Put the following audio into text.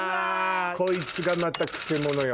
こいつがまたくせ者よ。